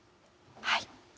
はい。